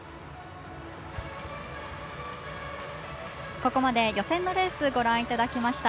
ここまで予選のレースご覧いただきました。